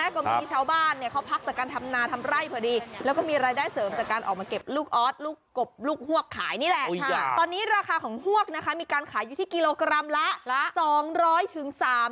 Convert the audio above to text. ก็มีชาวบ้านเนี่ยเขาพักจากการทำนาทำไร่พอดีแล้วก็มีรายได้เสริมจากการออกมาเก็บลูกออสลูกกบลูกฮวกขายนี่แหละตอนนี้ราคาของฮวกนะคะมีการขายอยู่ที่กิโลกรัมละ๒๐๐๓๐๐บาท